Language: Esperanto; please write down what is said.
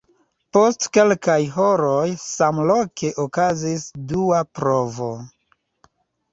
Post kelkaj horoj samloke okazis dua provo.